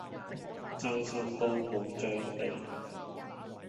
周身刀冇張利